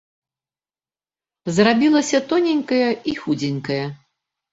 Зрабілася тоненькая і худзенькая.